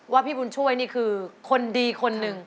พี่บุญช่วยนี่คือคนดีคนหนึ่ง